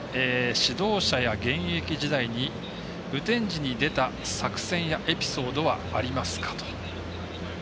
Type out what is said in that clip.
指導者や現役時代に雨天時に出た作戦やエピソードはありますか？と。